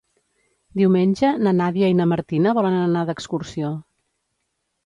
Diumenge na Nàdia i na Martina volen anar d'excursió.